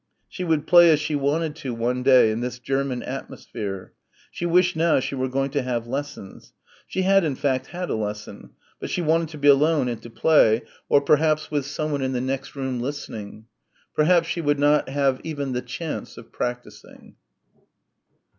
She would play as she wanted to one day in this German atmosphere. She wished now she were going to have lessons. She had in fact had a lesson. But she wanted to be alone and to play or perhaps with someone in the next room listening. Perhaps she would not have even the chance of practising.